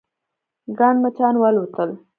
ګڼ مچان والوتل.